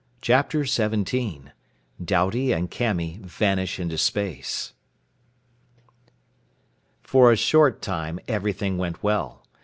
CHAPTER 17 DOUBTY AND CAMY VANISH INTO SPACE For a short time, everything went well.